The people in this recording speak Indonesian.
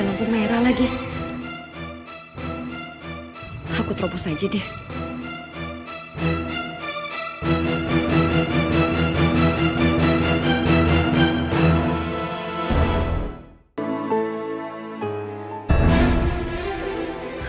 ada lampu merah lagi aku terobos aja deh